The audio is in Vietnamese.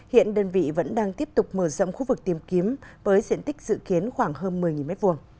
hiện đơn vị vẫn đang tiếp tục mở rộng khu vực tìm kiếm với diện tích dự kiến khoảng hơn một mươi m hai